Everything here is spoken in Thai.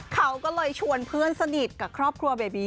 เขาก็เลยชวนเพื่อนสนิทกับครอบครัวเบบี